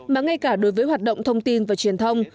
mà ngay cả đối với hoạt động thông tin và truyền thông